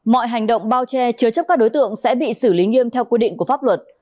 mọi hành động bao che chứa chấp các đối tượng sẽ bị xử lý nghiêm theo quy định của pháp luật